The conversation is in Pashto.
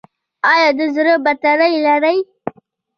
ایا د زړه بطرۍ لرئ؟